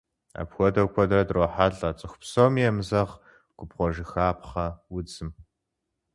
Апхуэдэу куэдрэ дрохьэлӏэ цӏыху псоми емызэгъ губгъуэжыхапхъэ удзым.